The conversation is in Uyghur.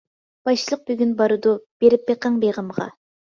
باشلىق بۈگۈن بارىدۇ، بېرىپ بېقىڭ بېغىمغا.